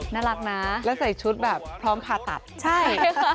น่ารักนะแล้วใส่ชุดแบบพร้อมผ่าตัดใช่